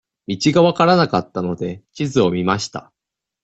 道が分からなかったので、地図を見ました。